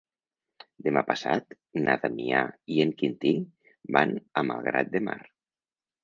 Demà passat na Damià i en Quintí van a Malgrat de Mar.